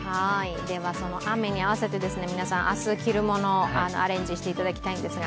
その雨に合わせて皆さん、明日着るものをアレンジしてもらいたいんですが。